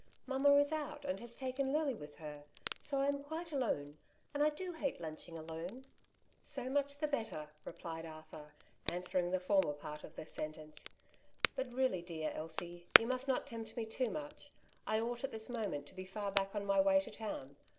'^ Mamma is out, and has taken Lily with her ; so I am quite alone, and I do hate lunching alone." '^ So much the better," replied Arthur, answering the former part of the sentence \^^ but really, dear fe The Home of Wealth, 17 Elsie, you must not tempt me too much. I ought at this moment to be far back on my way to town.